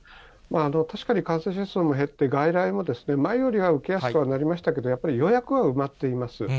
確かに感染者数も減って、外来も前よりは受けやすくはなりましたけど、やっぱり予約は埋まっています。